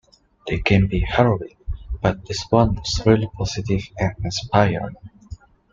They can be harrowing, but this one was really positive and inspiring.